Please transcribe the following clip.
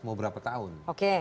mau berapa tahun